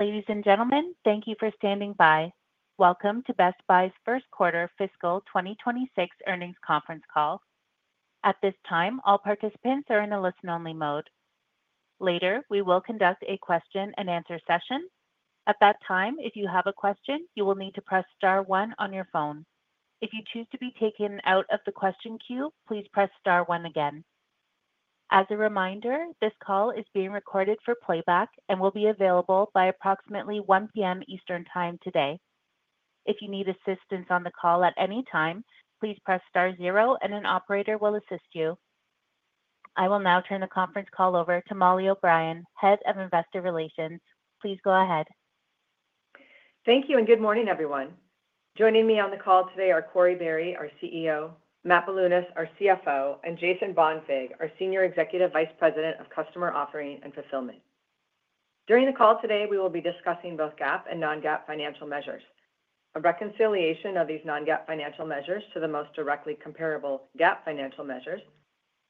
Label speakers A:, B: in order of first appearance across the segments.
A: Ladies and gentlemen, thank you for standing by. Welcome to Best Buy's First Quarter Fiscal 2026 Earnings Conference Call. At this time, all participants are in a listen-only mode. Later, we will conduct a question-and-answer session. At that time, if you have a question, you will need to press star one on your phone. If you choose to be taken out of the question queue, please press star one again. As a reminder, this call is being recorded for playback and will be available by approximately 1:00 P.M. Eastern Time today. If you need assistance on the call at any time, please press star zero, and an operator will assist you. I will now turn the conference call over to Mollie O'Brien, Head of Investor Relations. Please go ahead.
B: Thank you, and good morning, everyone. Joining me on the call today are Corie Barry, our CEO, Matt Bilunas, our CFO, and Jason Bonfig, our Senior Executive Vice President of Customer Offering and Fulfillment. During the call today, we will be discussing both GAAP and non-GAAP financial measures. A reconciliation of these non-GAAP financial measures to the most directly comparable GAAP financial measures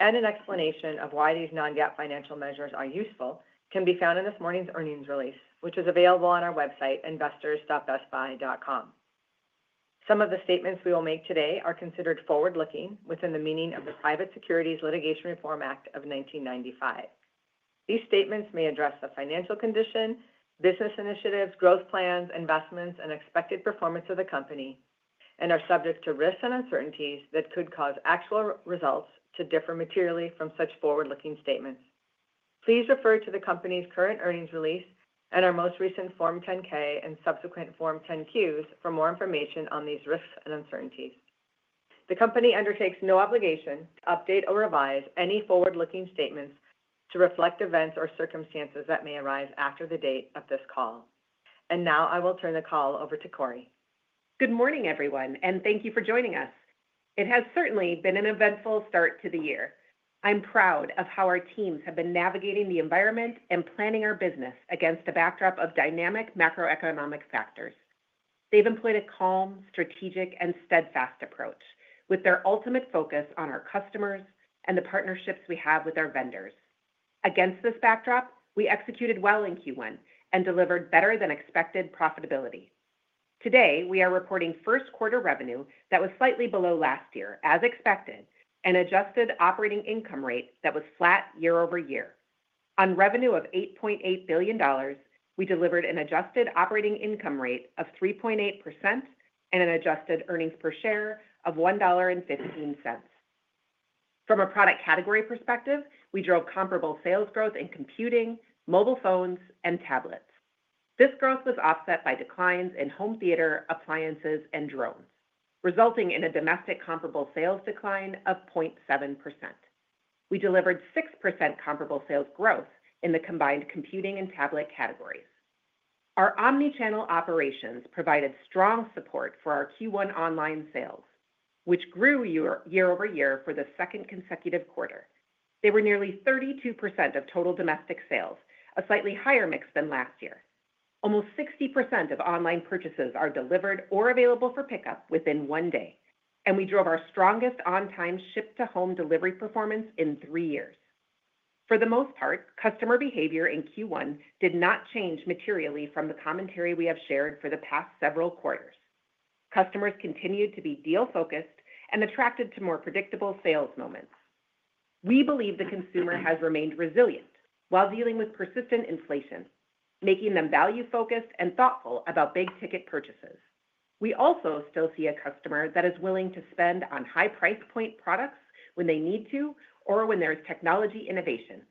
B: and an explanation of why these non-GAAP financial measures are useful can be found in this morning's earnings release, which is available on our website, investors.bestbuy.com. Some of the statements we will make today are considered forward-looking within the meaning of the Private Securities Litigation Reform Act of 1995. These statements may address the financial condition, business initiatives, growth plans, investments, and expected performance of the company, and are subject to risks and uncertainties that could cause actual results to differ materially from such forward-looking statements. Please refer to the company's current earnings release and our most recent Form 10-K and subsequent Form 10-Qs for more information on these risks and uncertainties. The company undertakes no obligation to update or revise any forward-looking statements to reflect events or circumstances that may arise after the date of this call. I will turn the call over to Corie.
C: Good morning, everyone, and thank you for joining us. It has certainly been an eventful start to the year. I'm proud of how our teams have been navigating the environment and planning our business against a backdrop of dynamic macroeconomic factors. They've employed a calm, strategic, and steadfast approach, with their ultimate focus on our customers and the partnerships we have with our vendors. Against this backdrop, we executed well in Q1 and delivered better-than-expected profitability. Today, we are reporting first-quarter revenue that was slightly below last year, as expected, and adjusted operating income rate that was flat year-over-year. On revenue of $8.8 billion, we delivered an adjusted operating income rate of 3.8% and an adjusted earnings per share of $1.15. From a product category perspective, we drove comparable sales growth in computing, mobile phones, and tablets. This growth was offset by declines in home theater, appliances, and drones, resulting in a domestic comparable sales decline of 0.7%. We delivered 6% comparable sales growth in the combined computing and tablet categories. Our omnichannel operations provided strong support for our Q1 online sales, which grew year-over-year for the second consecutive quarter. They were nearly 32% of total domestic sales, a slightly higher mix than last year. Almost 60% of online purchases are delivered or available for pickup within one day, and we drove our strongest on-time ship-to-home delivery performance in three years. For the most part, customer behavior in Q1 did not change materially from the commentary we have shared for the past several quarters. Customers continued to be deal-focused and attracted to more predictable sales moments. We believe the consumer has remained resilient while dealing with persistent inflation, making them value-focused and thoughtful about big-ticket purchases. We also still see a customer that is willing to spend on high-price point products when they need to or when there is technology innovation.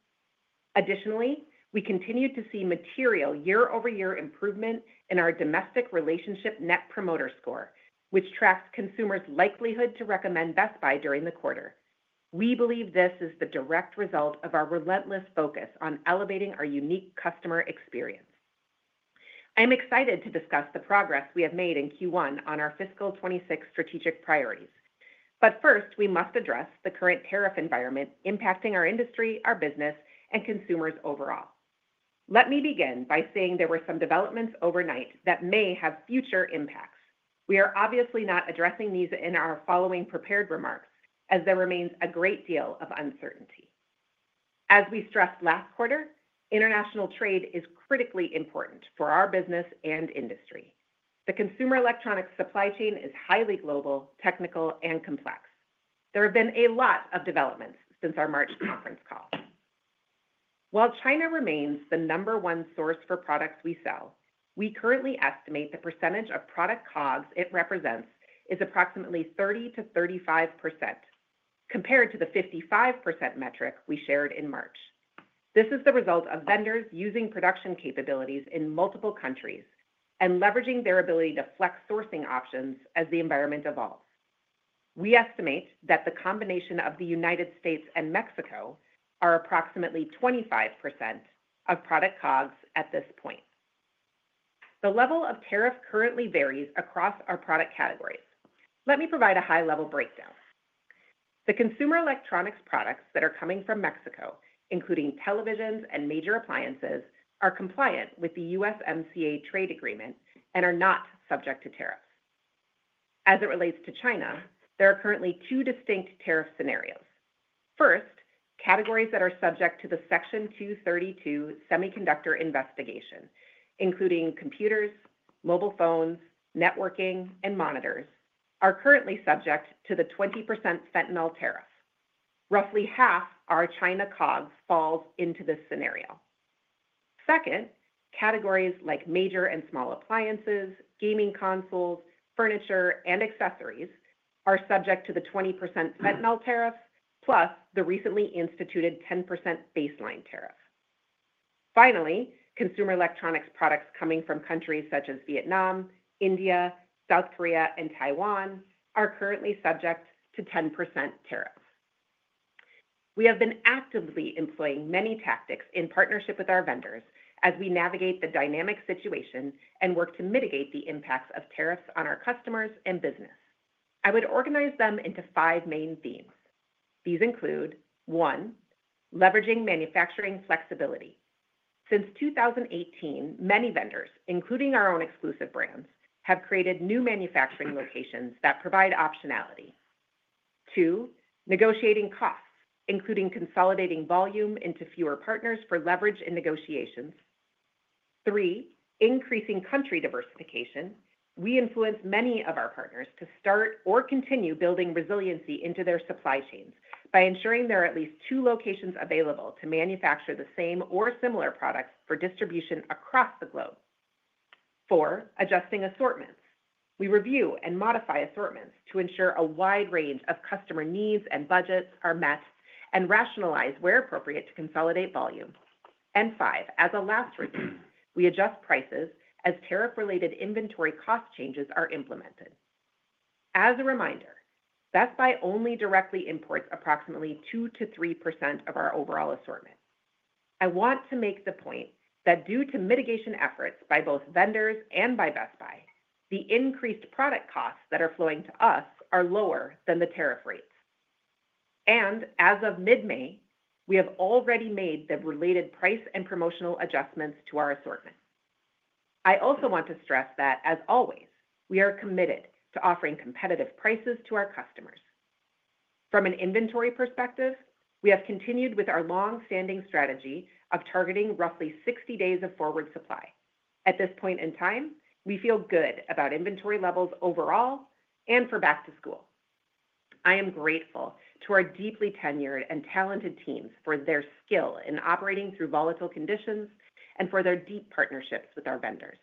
C: Additionally, we continue to see material year-over-year improvement in our domestic relationship Net Promoter Score, which tracks consumers' likelihood to recommend Best Buy during the quarter. We believe this is the direct result of our relentless focus on elevating our unique customer experience. I'm excited to discuss the progress we have made in Q1 on our fiscal 2026 strategic priorities. 1st, we must address the current tariff environment impacting our industry, our business, and consumers overall. Let me begin by saying there were some developments overnight that may have future impacts. We are obviously not addressing these in our following prepared remarks, as there remains a great deal of uncertainty. As we stressed last quarter, international trade is critically important for our business and industry. The consumer electronics supply chain is highly global, technical, and complex. There have been a lot of developments since our March conference call. While China remains the number one source for products we sell, we currently estimate the percentage of product COGS it represents is approximately 30%-35%, compared to the 55% metric we shared in March. This is the result of vendors using production capabilities in multiple countries and leveraging their ability to flex sourcing options as the environment evolves. We estimate that the combination of the United States and Mexico are approximately 25% of product COGS at this point. The level of tariff currently varies across our product categories. Let me provide a high-level breakdown. The consumer electronics products that are coming from Mexico, including televisions and major appliances, are compliant with the USMCA trade agreement and are not subject to tariffs. As it relates to China, there are currently two distinct tariff scenarios. 1st, categories that are subject to the Section 232 Semiconductor Investigation, including computers, mobile phones, networking, and monitors, are currently subject to the 20% fentanyl tariff. Roughly half our China COGS falls into this scenario. 2nd, categories like major and small appliances, gaming consoles, furniture, and accessories are subject to the 20% fentanyl tariff, plus the recently instituted 10% baseline tariff. Finally, consumer electronics products coming from countries such as Vietnam, India, South Korea, and Taiwan are currently subject to 10% tariff. We have been actively employing many tactics in partnership with our vendors as we navigate the dynamic situation and work to mitigate the impacts of tariffs on our customers and business. I would organize them into five main themes. These include: one, leveraging manufacturing flexibility. Since 2018, many vendors, including our own exclusive brands, have created new manufacturing locations that provide optionality. Two, negotiating costs, including consolidating volume into fewer partners for leverage in negotiations. Three, increasing country diversification. We influence many of our partners to start or continue building resiliency into their supply chains by ensuring there are at least two locations available to manufacture the same or similar products for distribution across the globe. Four, adjusting assortments. We review and modify assortments to ensure a wide range of customer needs and budgets are met and rationalize where appropriate to consolidate volume. Five, as a last resort, we adjust prices as tariff-related inventory cost changes are implemented. As a reminder, Best Buy only directly imports approximately 2%-3% of our overall assortment. I want to make the point that due to mitigation efforts by both vendors and by Best Buy, the increased product costs that are flowing to us are lower than the tariff rates. As of mid-May, we have already made the related price and promotional adjustments to our assortment. I also want to stress that, as always, we are committed to offering competitive prices to our customers. From an inventory perspective, we have continued with our long-standing strategy of targeting roughly 60 days of forward supply. At this point in time, we feel good about inventory levels overall and for back-to-school. I am grateful to our deeply tenured and talented teams for their skill in operating through volatile conditions, and for their deep partnerships with our vendors.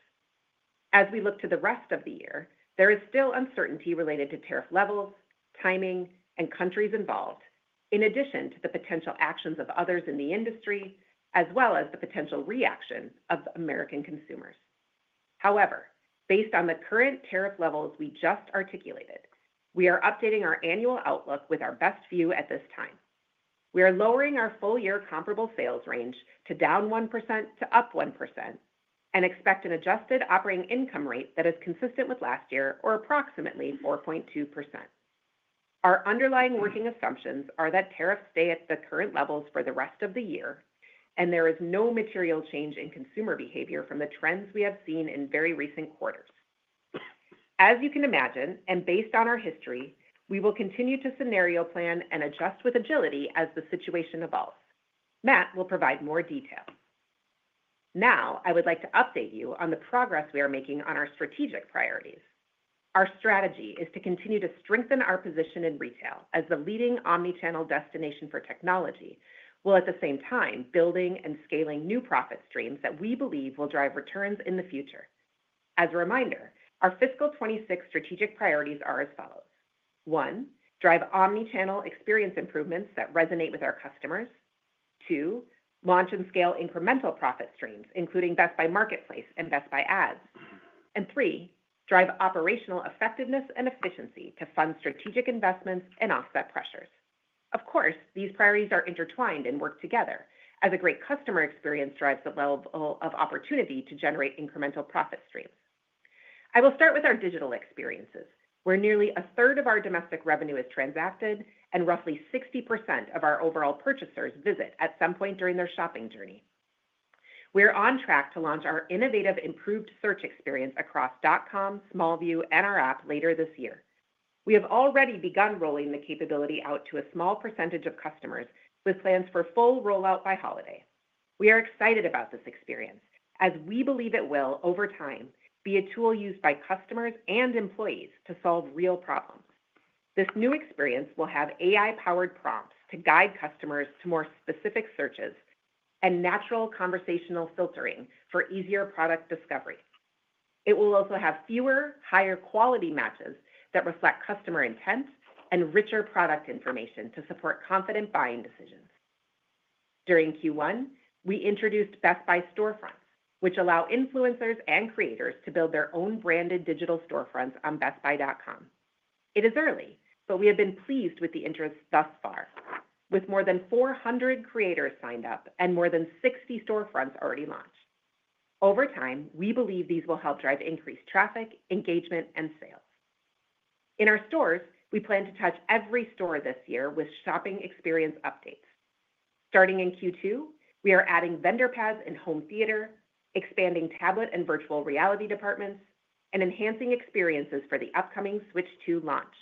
C: As we look to the rest of the year, there is still uncertainty related to tariff levels, timing, and countries involved, in addition to the potential actions of others in the industry, as well as the potential reaction of American consumers. However, based on the current tariff levels we just articulated, we are updating our annual outlook with our best view at this time. We are lowering our full-year comparable sales range to down 1% to up 1%, and expect an adjusted operating income rate that is consistent with last year or approximately 4.2%. Our underlying working assumptions are that tariffs stay at the current levels for the rest of the year, and there is no material change in consumer behavior from the trends we have seen in very recent quarters. As you can imagine, and based on our history, we will continue to scenario plan and adjust with agility as the situation evolves. Matt will provide more detail. Now, I would like to update you on the progress we are making on our strategic priorities. Our strategy is to continue to strengthen our position in retail as the leading omnichannel destination for technology, while at the same time building and scaling new profit streams that we believe will drive returns in the future. As a reminder, our fiscal 2026 strategic priorities are as follows: one, drive omnichannel experience improvements that resonate with our customers; two, launch and scale incremental profit streams, including Best Buy Marketplace and Best Buy Ads; and three, drive operational effectiveness and efficiency to fund strategic investments and offset pressures. Of course, these priorities are intertwined and work together as a great customer experience drives the level of opportunity to generate incremental profit streams. I will start with our digital experiences, where nearly a 3rd of our domestic revenue is transacted and roughly 60% of our overall purchasers visit at some point during their shopping journey. We are on track to launch our innovative improved search experience across dot-com, small view, and our app later this year. We have already begun rolling the capability out to a small percentage of customers with plans for full rollout by holiday. We are excited about this experience as we believe it will, over time, be a tool used by customers and employees to solve real problems. This new experience will have AI-powered prompts to guide customers to more specific searches and natural conversational filtering for easier product discovery. It will also have fewer, higher-quality matches that reflect customer intent and richer product information to support confident buying decisions. During Q1, we introduced Best Buy storefronts, which allow influencers and creators to build their own branded digital storefronts on bestbuy.com. It is early, but we have been pleased with the interest thus far, with more than 400 creators signed up and more than 60 storefronts already launched. Over time, we believe these will help drive increased traffic, engagement, and sales. In our stores, we plan to touch every store this year with shopping experience updates. Starting in Q2, we are adding vendor pads in home theater, expanding tablet and virtual reality departments, and enhancing experiences for the upcoming Switch two launch.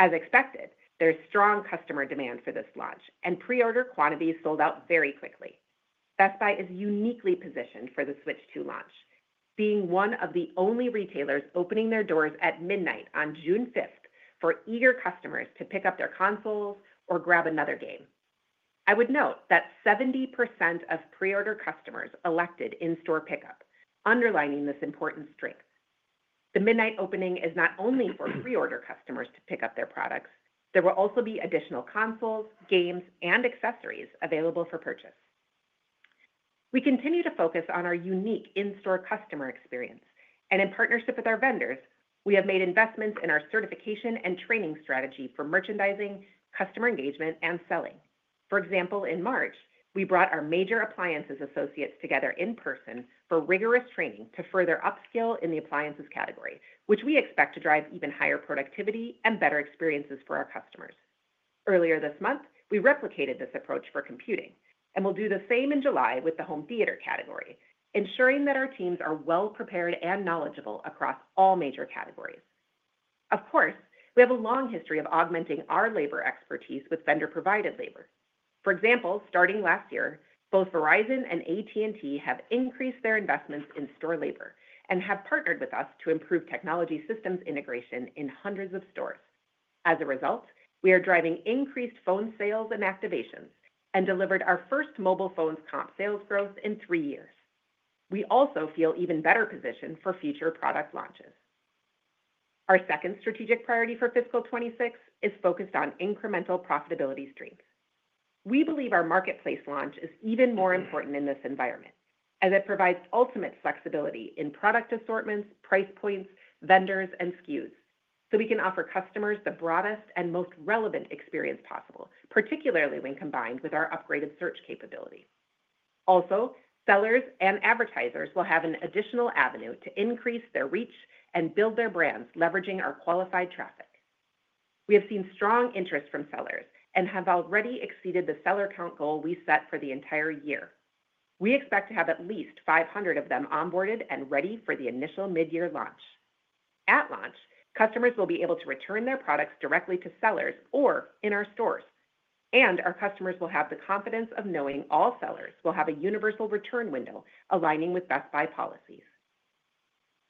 C: As expected, there is strong customer demand for this launch, and pre-order quantities sold out very quickly. Best Buy is uniquely positioned for the Switch two launch, being one of the only retailers opening their doors at midnight on June 5th for eager customers to pick up their consoles or grab another game. I would note that 70% of pre-order customers elected in-store pickup, underlining this important strength. The midnight opening is not only for pre-order customers to pick up their products; there will also be additional consoles, games, and accessories available for purchase. We continue to focus on our unique in-store customer experience, and in partnership with our vendors, we have made investments in our certification and training strategy for merchandising, customer engagement, and selling. For example, in March, we brought our major appliances associates together in person for rigorous training to further upskill in the appliances category, which we expect to drive even higher productivity and better experiences for our customers. Earlier this month, we replicated this approach for computing, and will do the same in July with the home theater category, ensuring that our teams are well-prepared and knowledgeable across all major categories. Of course, we have a long history of augmenting our labor expertise with vendor-provided labor. For example, starting last year, both Verizon and AT&T have increased their investments in store labor and have partnered with us to improve technology systems integration in hundreds of stores. As a result, we are driving increased phone sales and activations and delivered our 1st mobile phones comp sales growth in three years. We also feel even better positioned for future product launches. Our 2nd strategic priority for fiscal 2026 is focused on incremental profitability streams. We believe our marketplace launch is even more important in this environment, as it provides ultimate flexibility in product assortments, price points, vendors, and SKUs, so we can offer customers the broadest and most relevant experience possible, particularly when combined with our upgraded search capability. Also, sellers and advertisers will have an additional avenue to increase their reach and build their brands, leveraging our qualified traffic. We have seen strong interest from sellers and have already exceeded the seller count goal we set for the entire year. We expect to have at least 500 of them onboarded and ready for the initial mid-year launch. At launch, customers will be able to return their products directly to sellers or in our stores, and our customers will have the confidence of knowing all sellers will have a universal return window aligning with Best Buy policies.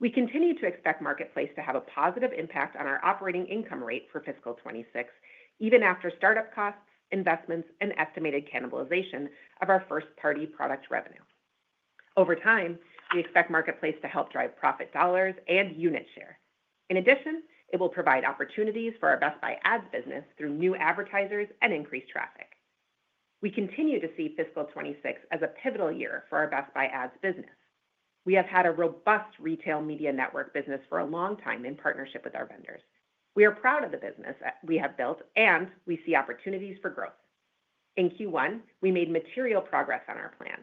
C: We continue to expect Marketplace to have a positive impact on our operating income rate for fiscal 2026, even after startup costs, investments, and estimated cannibalization of our 1st-party product revenue. Over time, we expect Marketplace to help drive profit dollars and unit share. In addition, it will provide opportunities for our Best Buy Ads business through new advertisers and increased traffic. We continue to see fiscal 2026 as a pivotal year for our Best Buy Ads business. We have had a robust retail media network business for a long time in partnership with our vendors. We are proud of the business we have built, and we see opportunities for growth. In Q1, we made material progress on our plan.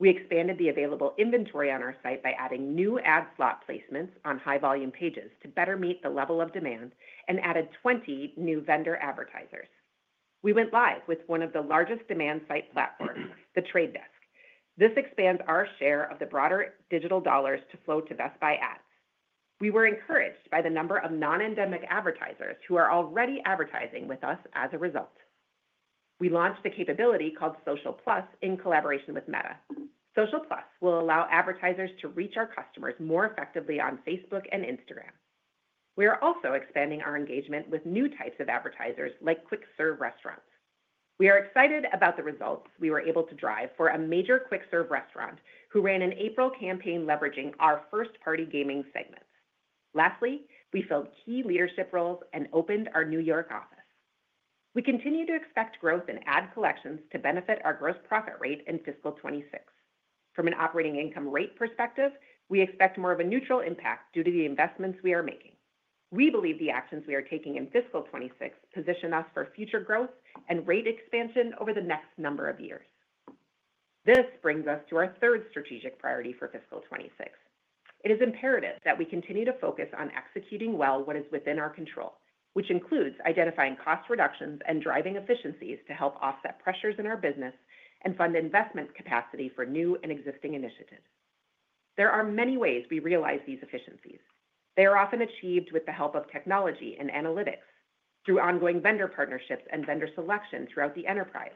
C: We expanded the available inventory on our site by adding new ad slot placements on high-volume pages to better meet the level of demand and added 20 new vendor advertisers. We went live with one of the largest demand-side platforms, the Trade Desk. This expands our share of the broader digital dollars to flow to Best Buy Ads. We were encouraged by the number of non-endemic advertisers who are already advertising with us as a result. We launched the capability called Social Plus in collaboration with Meta. Social Plus will allow advertisers to reach our customers more effectively on Facebook and Instagram. We are also expanding our engagement with new types of advertisers like quick-serve restaurants. We are excited about the results we were able to drive for a major quick-serve restaurant who ran an April campaign leveraging our 1st-party gaming segments. Lastly, we filled key leadership roles and opened our New York office. We continue to expect growth in ad collections to benefit our gross profit rate in fiscal 2026. From an operating income rate perspective, we expect more of a neutral impact due to the investments we are making. We believe the actions we are taking in fiscal 2026 position us for future growth and rate expansion over the next number of years. This brings us to our 3rd strategic priority for fiscal 2026. It is imperative that we continue to focus on executing well what is within our control, which includes identifying cost reductions and driving efficiencies to help offset pressures in our business and fund investment capacity for new and existing initiatives. There are many ways we realize these efficiencies. They are often achieved with the help of technology and analytics, through ongoing vendor partnerships and vendor selection throughout the enterprise,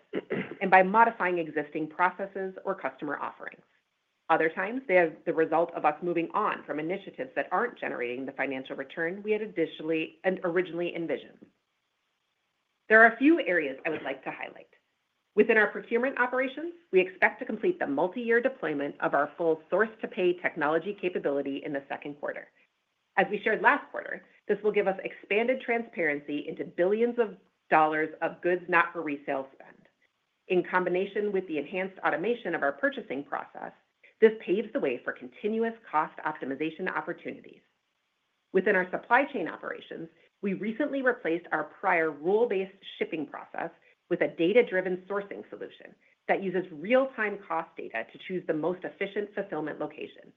C: and by modifying existing processes or customer offerings. Other times, they are the result of us moving on from initiatives that aren't generating the financial return we had initially and originally envisioned. There are a few areas I would like to highlight. Within our procurement operations, we expect to complete the multi-year deployment of our full source-to-pay technology capability in the second quarter. As we shared last quarter, this will give us expanded transparency into billions of dollars of goods not-for-resale spend. In combination with the enhanced automation of our purchasing process, this paves the way for continuous cost optimization opportunities. Within our supply chain operations, we recently replaced our prior rule-based shipping process with a data-driven sourcing solution that uses real-time cost data to choose the most efficient fulfillment location.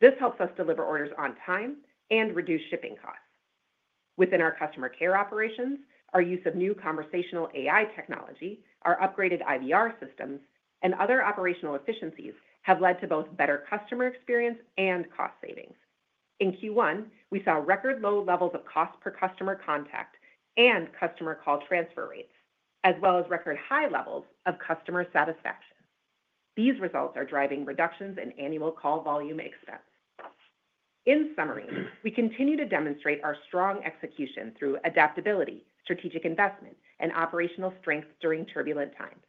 C: This helps us deliver orders on time and reduce shipping costs. Within our customer care operations, our use of new conversational AI technology, our upgraded IVR systems, and other operational efficiencies have led to both better customer experience and cost savings. In Q1, we saw record low levels of cost per customer contact, and customer call transfer rates, as well as record high levels of customer satisfaction. These results are driving reductions in annual call volume expense. In summary, we continue to demonstrate our strong execution through adaptability, strategic investment, and operational strength during turbulent times.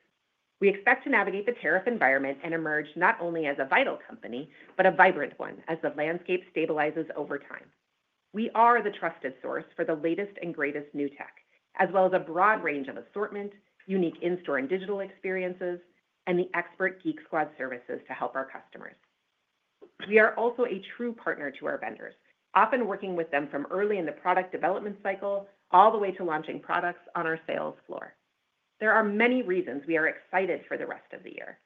C: We expect to navigate the tariff environment and emerge not only as a vital company, but a vibrant one as the landscape stabilizes over time. We are the trusted source for the latest and greatest new tech, as well as a broad range of assortment, unique in-store and digital experiences, and the expert Geek Squad services to help our customers. We are also a true partner to our vendors, often working with them from early in the product development cycle all the way to launching products on our sales floor. There are many reasons we are excited for the rest of the year.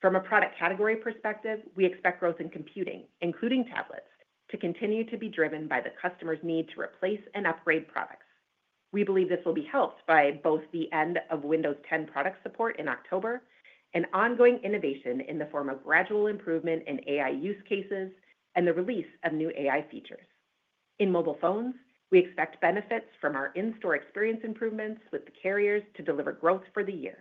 C: From a product category perspective, we expect growth in computing, including tablets, to continue to be driven by the customer's need to replace and upgrade products. We believe this will be helped by both the end of Windows 10 product support in October, an ongoing innovation in the form of gradual improvement in AI use cases, and the release of new AI features. In mobile phones, we expect benefits from our in-store experience improvements with the carriers to deliver growth for the year.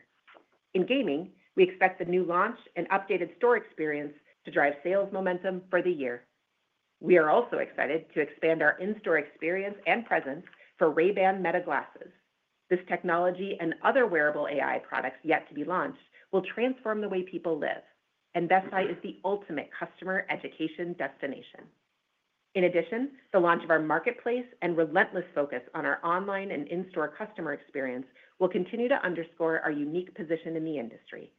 C: In gaming, we expect the new launch and updated store experience to drive sales momentum for the year. We are also excited to expand our in-store experience and presence for Ray-Ban Meta Glasses. This technology and other wearable AI products yet to be launched will transform the way people live, and Best Buy is the ultimate customer education destination. In addition, the launch of our marketplace and relentless focus on our online and in-store customer experience will continue to underscore our unique position in the industry.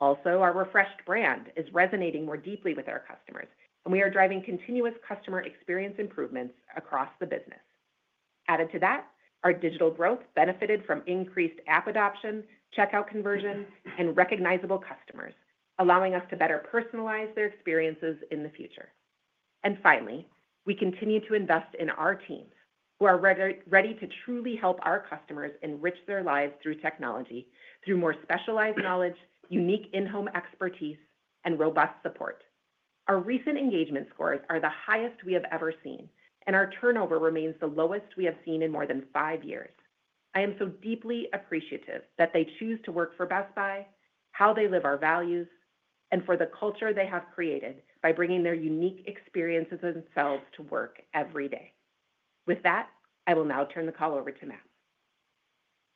C: Also, our refreshed brand is resonating more deeply with our customers, and we are driving continuous customer experience improvements across the business. Added to that, our digital growth benefited from increased app adoption, checkout conversion, and recognizable customers, allowing us to better personalize their experiences in the future. Finally, we continue to invest in our teams, who are ready to truly help our customers enrich their lives through technology, through more specialized knowledge, unique in-home expertise, and robust support. Our recent engagement scores are the highest we have ever seen, and our turnover remains the lowest we have seen in more than five years. I am so deeply appreciative that they choose to work for Best Buy, how they live our values, and for the culture they have created by bringing their unique experiences themselves to work every day. With that, I will now turn the call over to Matt.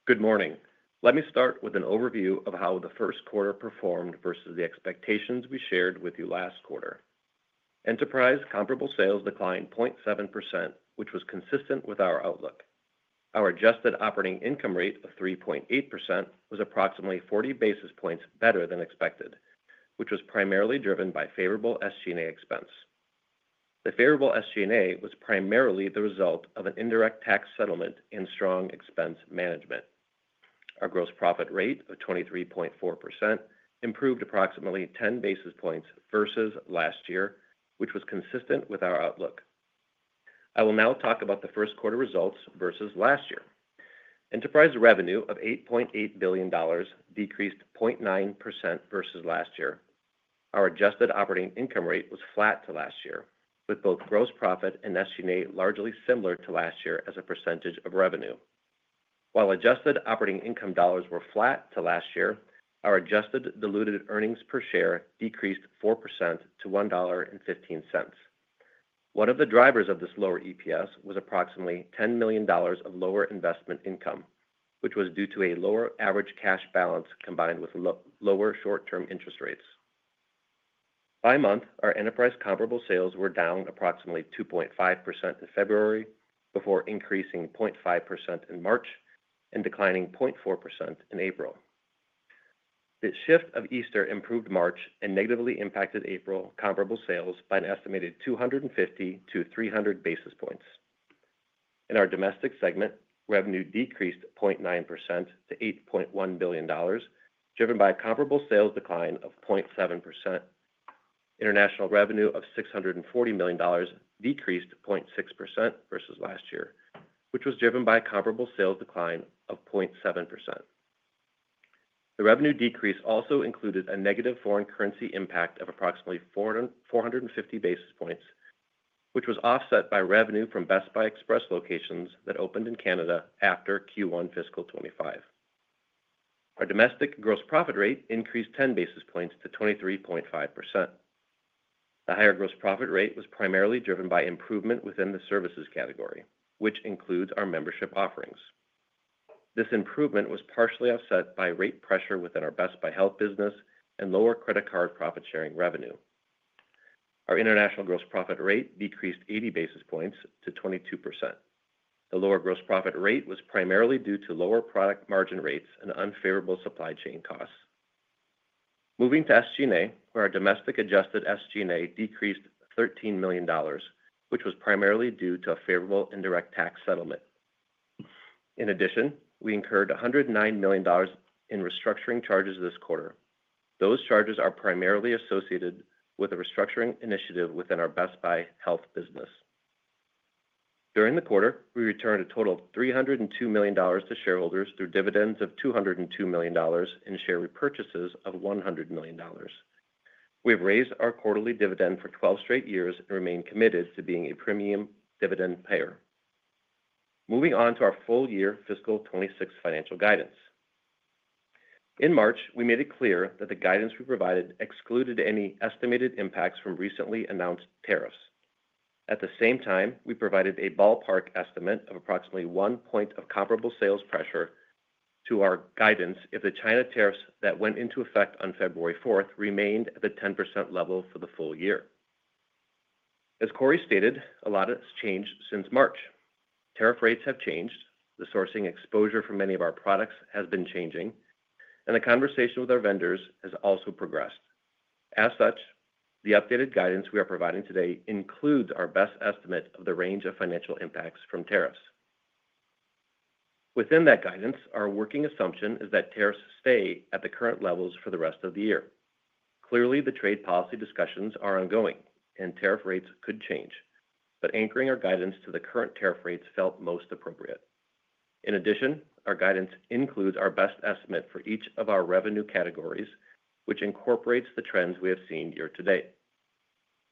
D: Good morning. Let me start with an overview of how the first quarter performed versus the expectations we shared with you last quarter. Enterprise comparable sales declined 0.7%, which was consistent with our outlook. Our adjusted operating income rate of 3.8% was approximately 40 basis points better than expected, which was primarily driven by favorable SG&A expense. The favorable SG&A was primarily the result of an indirect tax settlement and strong expense management. Our gross profit rate of 23.4% improved approximately 10 basis points versus last year, which was consistent with our outlook. I will now talk about the first quarter results versus last year. Enterprise revenue of $8.8 billion decreased 0.9% versus last year. Our adjusted operating income rate was flat to last year, with both gross profit and SG&A largely similar to last year as a percentage of revenue. While adjusted operating income dollars were flat to last year, our adjusted diluted earnings per share decreased 4% to $1.15. One of the drivers of this lower EPS was approximately $10 million of lower investment income, which was due to a lower average cash balance combined with lower short-term interest rates. By month, our enterprise comparable sales were down approximately 2.5% in February, before increasing 0.5% in March, and declining 0.4% in April. This shift of Easter improved March, and negatively impacted April comparable sales by an estimated 250 to 300 basis points. In our domestic segment, revenue decreased 0.9% to $8.1 billion, driven by a comparable sales decline of 0.7%. International revenue of $640 million decreased 0.6% versus last year, which was driven by a comparable sales decline of 0.7%. The revenue decrease also included a negative foreign currency impact of approximately 450 basis points, which was offset by revenue from Best Buy Express locations that opened in Canada after Q1 fiscal 2025. Our domestic gross profit rate increased 10 basis points to 23.5%. The higher gross profit rate was primarily driven by improvement within the services category, which includes our membership offerings. This improvement was partially offset by rate pressure within our Best Buy Health business and lower credit card profit-sharing revenue. Our international gross profit rate decreased 80 basis points to 22%. The lower gross profit rate was primarily due to lower product margin rates and unfavorable supply chain costs. Moving to SG&A, where our domestic adjusted SG&A decreased $13 million, which was primarily due to a favorable indirect tax settlement. In addition, we incurred $109 million in restructuring charges this quarter. Those charges are primarily associated with a restructuring initiative within our Best Buy Health business. During the quarter, we returned a total of $302 million to shareholders through dividends of $202 million and share repurchases of $100 million. We have raised our quarterly dividend for 12 straight years and remain committed to being a premium dividend payer. Moving on to our full year fiscal 2026 financial guidance. In March, we made it clear that the guidance we provided excluded any estimated impacts from recently announced tariffs. At the same time, we provided a ballpark estimate of approximately one point of comparable sales pressure to our guidance if the China tariffs that went into effect on February 4th remained at the 10% level for the full year. As Corie stated, a lot has changed since March. Tariff rates have changed, the sourcing exposure for many of our products has been changing, and the conversation with our vendors has also progressed. As such, the updated guidance we are providing today includes our best estimate of the range of financial impacts from tariffs. Within that guidance, our working assumption is that tariffs stay at the current levels for the rest of the year. Clearly, the trade policy discussions are ongoing, and tariff rates could change, but anchoring our guidance to the current tariff rates felt most appropriate. In addition, our guidance includes our best estimate for each of our revenue categories, which incorporates the trends we have seen year to date.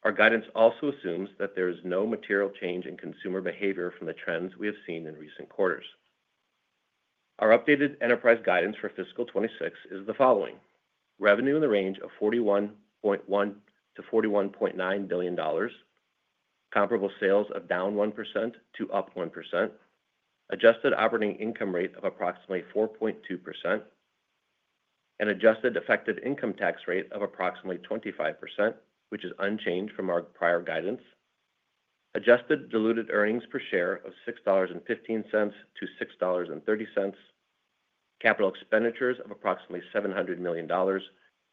D: Our guidance also assumes that there is no material change in consumer behavior from the trends we have seen in recent quarters. Our updated enterprise guidance for fiscal 2026 is the following: revenue in the range of $41.1 billion-$41.9 billion, comparable sales of down 1% to up 1%, adjusted operating income rate of approximately 4.2%, and adjusted effective income tax rate of approximately 25%, which is unchanged from our prior guidance. Adjusted diluted earnings per share of $6.15-$6.30, capital expenditures of approximately $700 million,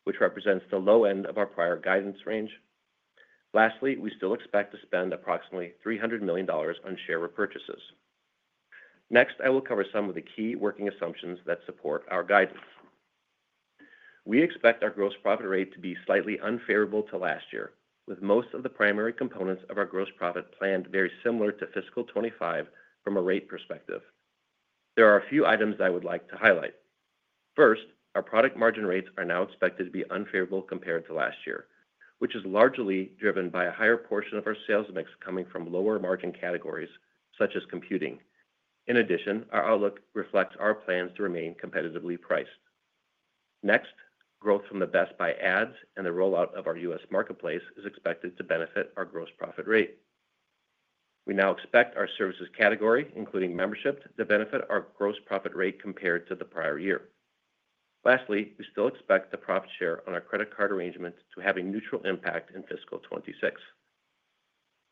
D: which represents the low end of our prior guidance range. Lastly, we still expect to spend approximately $300 million on share repurchases. Next, I will cover some of the key working assumptions that support our guidance. We expect our gross profit rate to be slightly unfavorable to last year, with most of the primary components of our gross profit planned very similar to fiscal 2025 from a rate perspective. There are a few items I would like to highlight. 1st, our product margin rates are now expected to be unfavorable compared to last year, which is largely driven by a higher portion of our sales mix coming from lower margin categories, such as computing. In addition, our outlook reflects our plans to remain competitively priced. Next, growth from the Best Buy Ads and the rollout of our U.S. marketplace is expected to benefit our gross profit rate. We now expect our services category, including membership, to benefit our gross profit rate compared to the prior year. Lastly, we still expect the profit share on our credit card arrangement to have a neutral impact in fiscal 2026.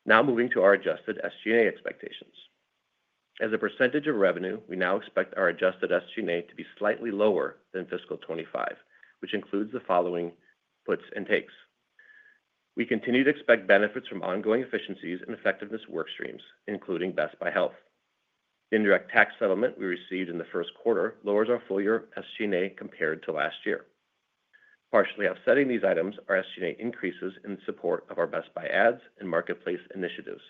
D: Now moving to our adjusted SG&A expectations. As a percentage of revenue, we now expect our adjusted SG&A to be slightly lower than fiscal 2025, which includes the following puts and takes. We continue to expect benefits from ongoing efficiencies and effectiveness workstreams, including Best Buy Health. The indirect tax settlement we received in the first quarter lowers our full year SG&A compared to last year. Partially offsetting these items are SG&A increases in support of our Best Buy Ads and marketplace initiatives,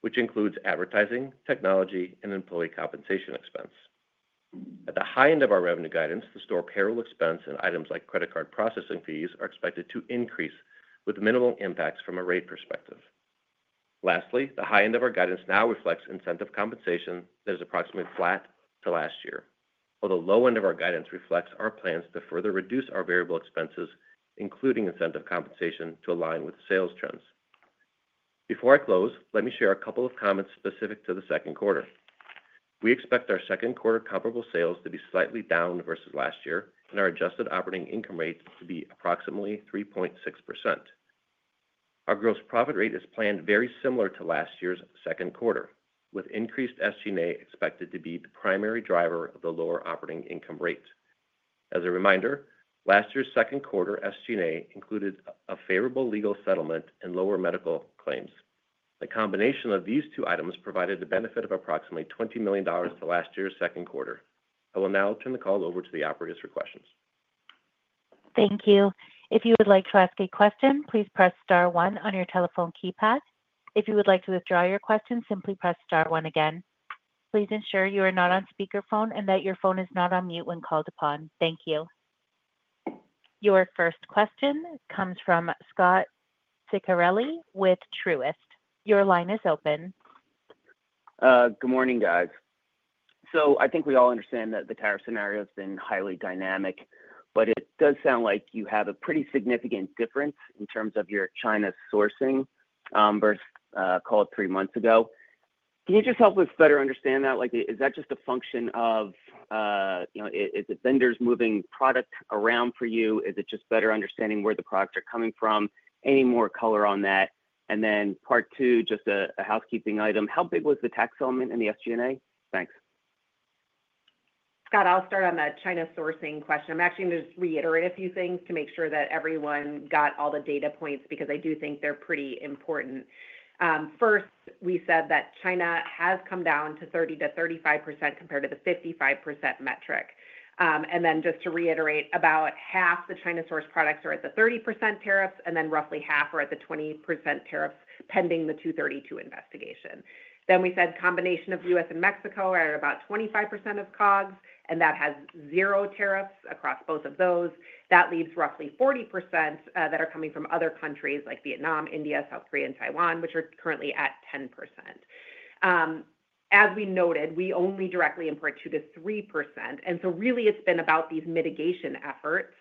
D: which includes advertising, technology, and employee compensation expense. At the high end of our revenue guidance, the store payroll expense and items like credit card processing fees are expected to increase with minimal impacts from a rate perspective. Lastly, the high end of our guidance now reflects incentive compensation that is approximately flat to last year, while the low end of our guidance reflects our plans to further reduce our variable expenses, including incentive compensation, to align with sales trends. Before I close, let me share a couple of comments specific to the second quarter. We expect our second quarter comparable sales to be slightly down versus last year, and our adjusted operating income rate to be approximately 3.6%. Our gross profit rate is planned very similar to last year's second quarter, with increased SG&A expected to be the primary driver of the lower operating income rate. As a reminder, last year's second quarter SG&A included a favorable legal settlement and lower medical claims. The combination of these two items provided the benefit of approximately $20 million to last year's second quarter. I will now turn the call over to the operators for questions.
A: Thank you. If you would like to ask a question, please press star one on your telephone keypad. If you would like to withdraw your question, simply press star one again. Please ensure you are not on speakerphone and that your phone is not on mute when called upon. Thank you. Your 1st question comes from Scot Ciccarelli with Truist. Your line is open.
E: Good morning, guys. I think we all understand that the tariff scenario has been highly dynamic, but it does sound like you have a pretty significant difference in terms of your China sourcing versus, call it, three months ago. Can you just help us better understand that? Is that just a function of, is it vendors moving product around for you? Is it just better understanding where the products are coming from? Any more color on that? And then part two, just a housekeeping item. How big was the tax settlement and the SG&A? Thanks.
C: Scott, I'll start on the China sourcing question. I'm actually going to just reiterate a few things to make sure that everyone got all the data points because I do think they're pretty important. 1st, we said that China has come down to 30%-35% compared to the 55% metric. And then just to reiterate, about half the China-sourced products are at the 30% tariffs, and then roughly half are at the 20% tariffs pending the 232 investigation. Then we said a combination of U.S. and Mexico are at about 25% of COGS, and that has zero tariffs across both of those. That leaves roughly 40% that are coming from other countries like Vietnam, India, South Korea, and Taiwan, which are currently at 10%. As we noted, we only directly import 2%-3%. It has been about these mitigation efforts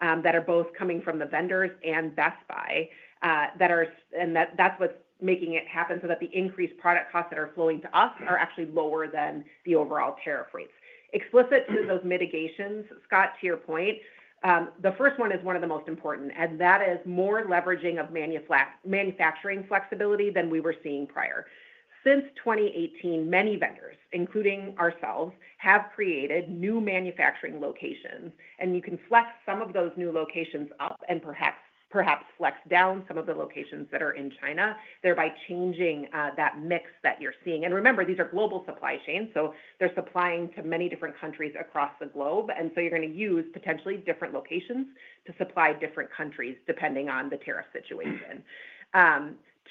C: that are both coming from the vendors and Best Buy, and that is what is making it happen so that the increased product costs that are flowing to us are actually lower than the overall tariff rates. Explicit to those mitigations, Scot, to your point, the 1st one is one of the most important, and that is more leveraging of manufacturing flexibility than we were seeing prior. Since 2018, many vendors, including ourselves, have created new manufacturing locations, and you can flex some of those new locations up and perhaps flex down some of the locations that are in China, thereby changing that mix that you are seeing. Remember, these are global supply chains, so they're supplying to many different countries across the globe, and you're going to use potentially different locations to supply different countries depending on the tariff situation.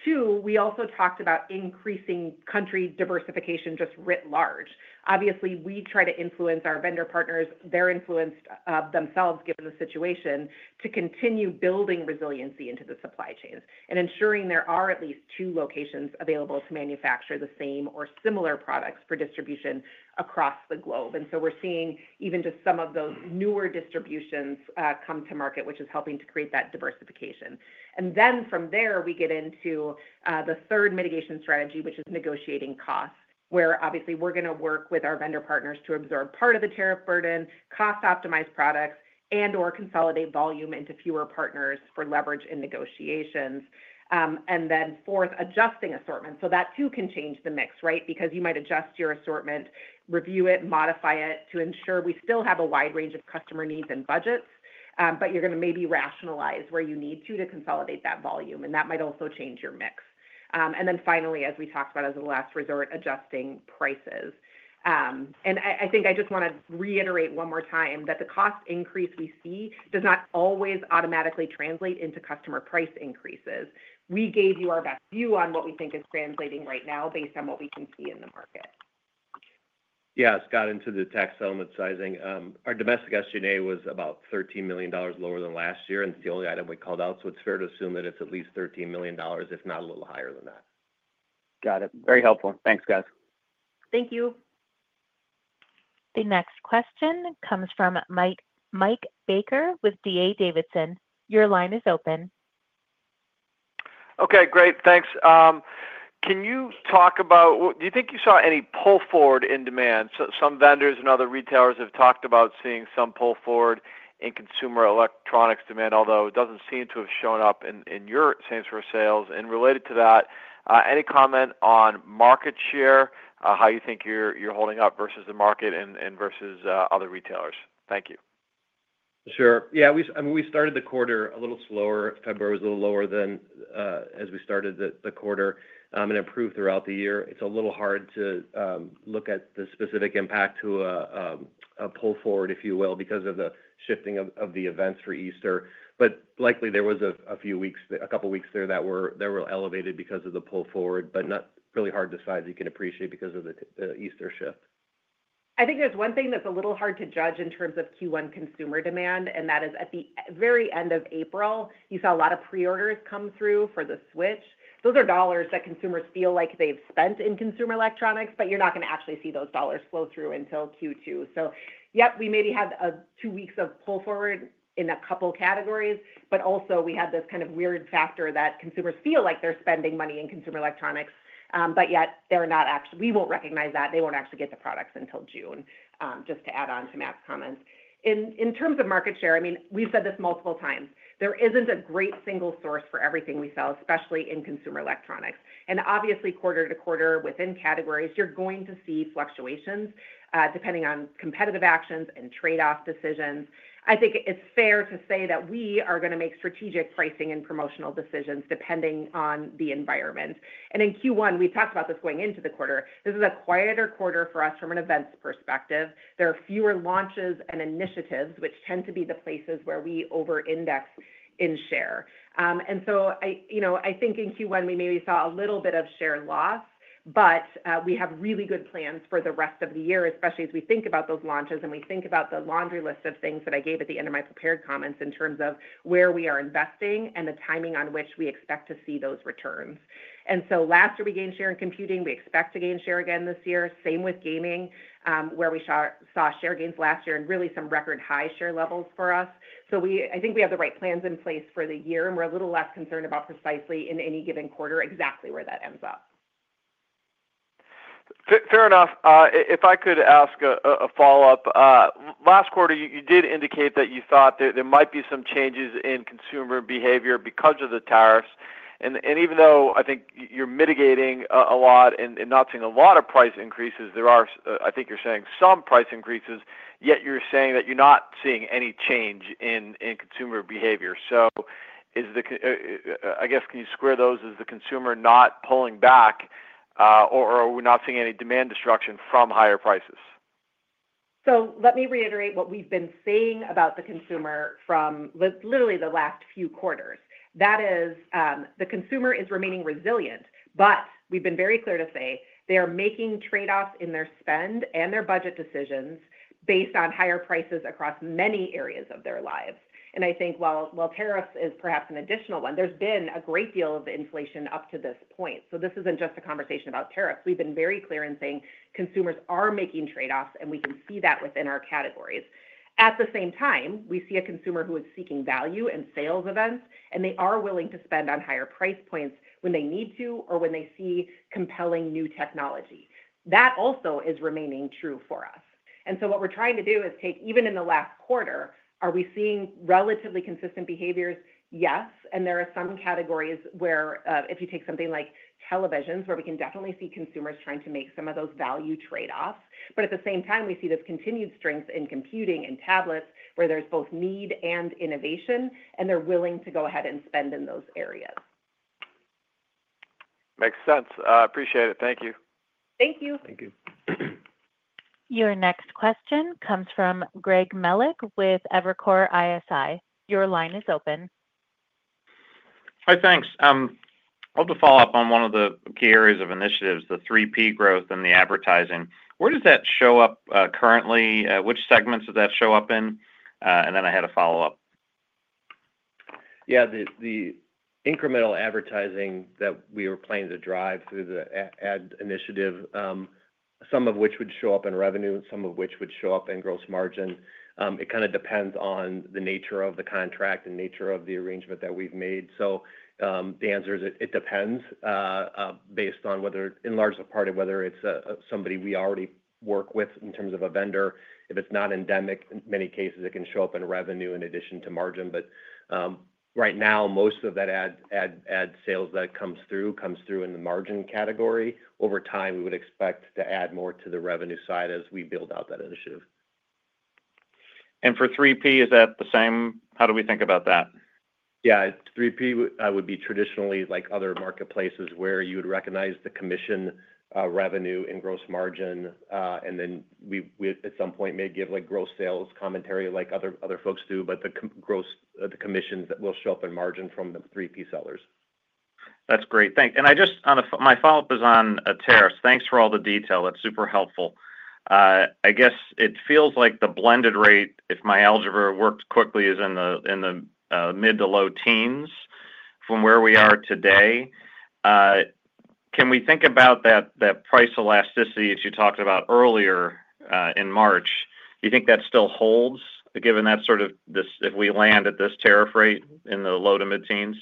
C: Two, we also talked about increasing country diversification just writ large. Obviously, we try to influence our vendor partners, their influence themselves given the situation, to continue building resiliency into the supply chains and ensuring there are at least two locations available to manufacture the same or similar products for distribution across the globe. We're seeing even just some of those newer distributions come to market, which is helping to create that diversification. From there, we get into the 3rd mitigation strategy, which is negotiating costs, where obviously we're going to work with our vendor partners to absorb part of the tariff burden, cost-optimize products, and/or consolidate volume into fewer partners for leverage in negotiations. 4th, adjusting assortment. That too can change the mix, right? Because you might adjust your assortment, review it, modify it to ensure we still have a wide range of customer needs and budgets, but you're going to maybe rationalize where you need to to consolidate that volume, and that might also change your mix. Finally, as we talked about as a last resort, adjusting prices. I think I just want to reiterate one more time that the cost increase we see does not always automatically translate into customer price increases. We gave you our best view on what we think is translating right now based on what we can see in the market.
D: Yeah, Scot, into the tax settlement sizing. Our domestic SG&A was about $13 million lower than last year, and it's the only item we called out, so it's fair to assume that it's at least $13 million, if not a little higher than that.
E: Got it. Very helpful. Thanks, guys.
C: Thank you.
A: The next question comes from Mike Baker with DA Davidson. Your line is open.
F: Okay, great. Thanks. Can you talk about, do you think you saw any pull forward in demand? Some vendors and other retailers have talked about seeing some pull forward in consumer electronics demand, although it doesn't seem to have shown up in your same sort of sales. Related to that, any comment on market share, how you think you're holding up versus the market and versus other retailers? Thank you.
D: Sure. Yeah, I mean, we started the quarter a little slower. February was a little lower than as we started the quarter, and improved throughout the year. It's a little hard to look at the specific impact to a pull forward, if you will, because of the shifting of the events for Easter. Likely there was a few weeks, a couple of weeks there that were elevated because of the pull forward, but not really hard to decide that you can appreciate because of the Easter shift.
C: I think there's one thing that's a little hard to judge in terms of Q1 consumer demand, and that is at the very end of April, you saw a lot of pre-orders come through for the Switch. Those are dollars that consumers feel like they've spent in consumer electronics, but you're not going to actually see those dollars flow through until Q2. Yep, we maybe had two weeks of pull forward in a couple of categories, but also we had this kind of weird factor that consumers feel like they're spending money in consumer electronics, but yet they're not actually, we won't recognize that. They won't actually get the products until June, just to add on to Matt's comments. In terms of market share, I mean, we've said this multiple times. There isn't a great single source for everything we sell, especially in consumer electronics. Obviously, quarter to quarter within categories, you're going to see fluctuations depending on competitive actions and trade-off decisions. I think it's fair to say that we are going to make strategic pricing and promotional decisions depending on the environment. In Q1, we talked about this going into the quarter. This is a quieter quarter for us from an events perspective. There are fewer launches and initiatives, which tend to be the places where we over-index in share. I think in Q1, we maybe saw a little bit of share loss, but we have really good plans for the rest of the year, especially as we think about those launches and we think about the laundry list of things that I gave at the end of my prepared comments in terms of where we are investing and the timing on which we expect to see those returns. Last year, we gained share in computing. We expect to gain share again this year. Same with gaming, where we saw share gains last year and really some record high share levels for us. I think we have the right plans in place for the year, and we're a little less concerned about precisely in any given quarter exactly where that ends up.
F: Fair enough. If I could ask a follow-up, last quarter, you did indicate that you thought there might be some changes in consumer behavior because of the tariffs. Even though I think you're mitigating a lot and not seeing a lot of price increases, there are, I think you're saying, some price increases, yet you're saying that you're not seeing any change in consumer behavior. I guess can you square those? Is the consumer not pulling back, or are we not seeing any demand destruction from higher prices?
C: Let me reiterate what we've been saying about the consumer from literally the last few quarters. That is, the consumer is remaining resilient, but we've been very clear to say they are making trade-offs in their spend, and their budget decisions based on higher prices across many areas of their lives. I think while tariffs is perhaps an additional one, there's been a great deal of inflation up to this point. This isn't just a conversation about tariffs. We've been very clear in saying consumers are making trade-offs, and we can see that within our categories. At the same time, we see a consumer who is seeking value and sales events, and they are willing to spend on higher price points when they need to or when they see compelling new technology. That also is remaining true for us. What we're trying to do is take, even in the last quarter, are we seeing relatively consistent behaviors? Yes. There are some categories where if you take something like televisions, we can definitely see consumers trying to make some of those value trade-offs. At the same time, we see this continued strength in computing and tablets, where there is both need and innovation, and they are willing to go ahead and spend in those areas.
F: Makes sense. Appreciate it. Thank you.
D: Thank you.
C: Thank you.
A: Your next question comes from Greg Melich with Evercore ISI. Your line is open.
G: Hi, thanks. I will just follow up on one of the key areas of initiatives, the 3P growth and the advertising. Where does that show up currently? Which segments does that show up in? I had a follow-up.
D: Yeah, the incremental advertising that we were planning to drive through the ad initiative, some of which would show up in revenue and some of which would show up in gross margin. It kind of depends on the nature of the contract and nature of the arrangement that we've made. The answer is it depends based on whether in large part of whether it's somebody we already work with in terms of a vendor. If it's not endemic, in many cases, it can show up in revenue in addition to margin. Right now, most of that ad sales that comes through comes through in the margin category. Over time, we would expect to add more to the revenue side as we build out that initiative.
G: For 3P, is that the same? How do we think about that?
D: Yeah, 3P would be traditionally like other marketplaces where you would recognize the commission revenue and gross margin, and then we at some point may give gross sales commentary like other folks do, but the gross, the commissions that will show up in margin from the 3P sellers.
G: That's great. Thanks. My follow-up is on tariffs. Thanks for all the detail. That's super helpful. I guess it feels like the blended rate, if my algebra worked quickly, is in the mid to low teens from where we are today. Can we think about that price elasticity that you talked about earlier in March? Do you think that still holds given that sort of if we land at this tariff rate in the low to mid-teens?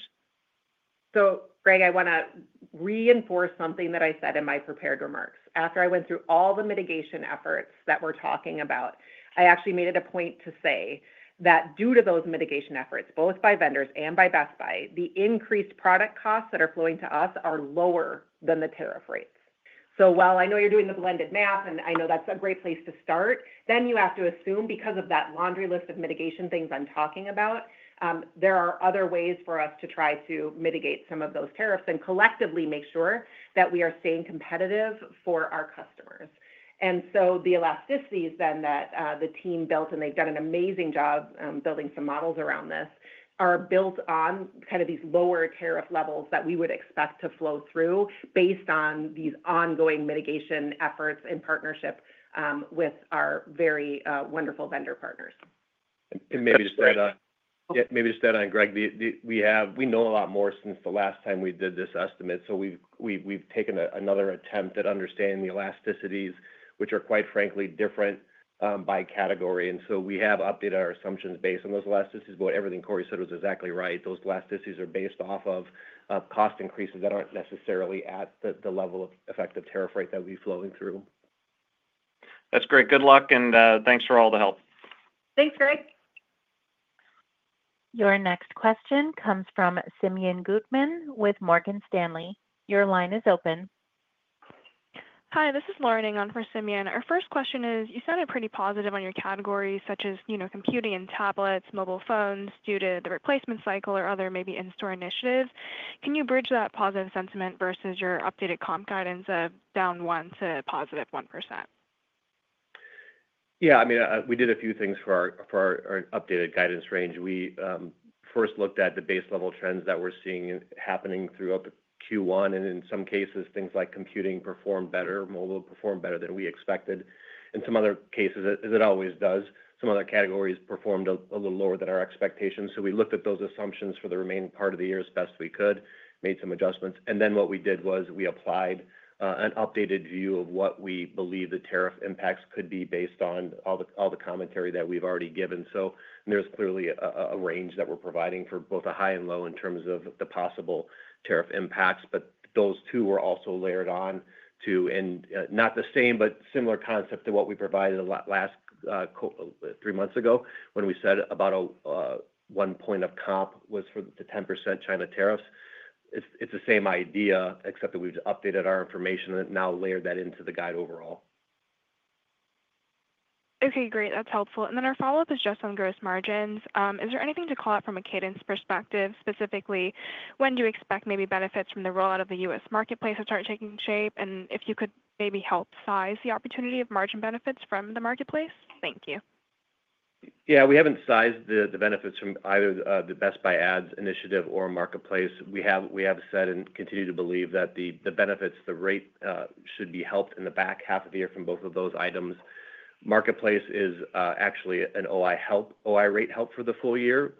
C: Greg, I want to reinforce something that I said in my prepared remarks. After I went through all the mitigation efforts that we're talking about, I actually made it a point to say that due to those mitigation efforts, both by vendors and by Best Buy, the increased product costs that are flowing to us are lower than the tariff rates. While I know you're doing the blended math, and I know that's a great place to start, you have to assume because of that laundry list of mitigation things I'm talking about, there are other ways for us to try to mitigate some of those tariffs and collectively make sure that we are staying competitive for our customers. The elasticities then that the team built, and they've done an amazing job building some models around this, are built on kind of these lower tariff levels that we would expect to flow through based on these ongoing mitigation efforts in partnership with our very wonderful vendor partners.
D: Maybe just that on Greg, we know a lot more since the last time we did this estimate, so we've taken another attempt at understanding the elasticities, which are quite frankly different by category. We have updated our assumptions based on those elasticities, but everything Corie said was exactly right. Those elasticities are based off of cost increases that aren't necessarily at the level of effective tariff rate that we'll be flowing through.
G: That's great. Good luck, and thanks for all the help.
C: Thanks, Greg.
A: Your next question comes from Simeon Gutman with Morgan Stanley. Your line is open.
H: Hi, this is Laurie Ngong for Simeon. Our 1st question is, you sounded pretty positive on your categories such as computing and tablets, mobile phones due to the replacement cycle or other maybe in-store initiatives. Can you bridge that positive sentiment versus your updated comp guidance of down 1% to positive 1%?
D: Yeah, I mean, we did a few things for our updated guidance range. We 1st looked at the base level trends that we're seeing happening throughout Q1, and in some cases, things like computing performed better, mobile performed better than we expected. In some other cases, as it always does, some other categories performed a little lower than our expectations. So we looked at those assumptions for the remaining part of the year as best we could, made some adjustments. What we did was we applied an updated view of what we believe the tariff impacts could be based on all the commentary that we've already given. There is clearly a range that we're providing for both a high and low in terms of the possible tariff impacts, but those two were also layered on to not the same, but similar concept to what we provided three months ago when we said about one point of comp was for the 10% China tariffs. It's the same idea, except that we've updated our information and now layered that into the guide overall.
I: Okay, great. That's helpful. Our follow-up is just on gross margins. Is there anything to call out from a cadence perspective? Specifically, when do you expect maybe benefits from the rollout of the US marketplace to start taking shape? If you could maybe help size the opportunity of margin benefits from the marketplace? Thank you.
D: Yeah, we have not sized the benefits from either the Best Buy Ads initiative or marketplace. We have said and continue to believe that the benefits, the rate should be helped in the back half of the year from both of those items. Marketplace is actually an OI rate help for the full year.